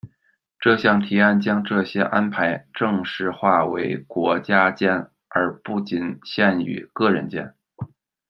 这项提案将这些安排正式化为国家间而不仅限于个人间。